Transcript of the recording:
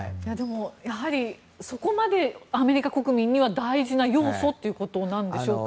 そこまでアメリカ国民には大事な要素ということなんでしょうか。